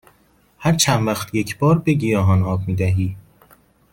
هر چند وقت یک بار به گیاهان آب می دهی؟